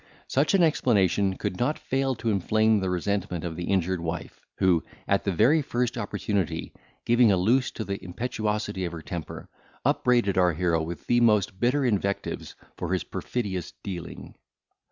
Such an explanation could not fail to inflame the resentment of the injured wife, who, at the very first opportunity, giving a loose to the impetuosity of her temper, upbraided our hero with the most bitter invectives for his perfidious dealing.